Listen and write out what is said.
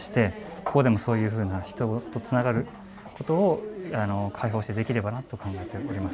ここでもそういうふうに人とつながることを開放してできればなと考えております。